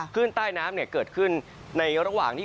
ขึ้นใต้น้ำเกิดขึ้นในระหว่างที่